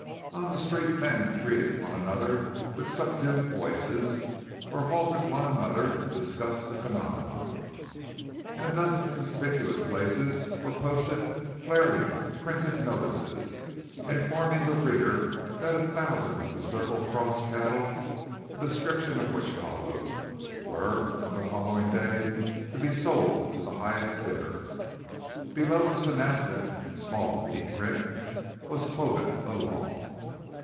On the street men greeted one another with subdued voices, or halted one another to discuss the phenomenon. In a dozen conspicuous places were posted flaring, printed notices, informing the reader that a thousand of the Circle Cross cattle a description of which followed were, on the following day, to be sold to the highest bidder. Below this announcement, in small, neat print, was quoted the Law.